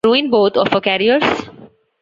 Ruin "both" of our careers?